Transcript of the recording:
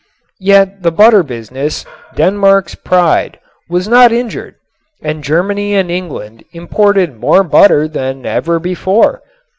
Yet the butter business, Denmark's pride, was not injured, and Germany and England imported more butter than ever before.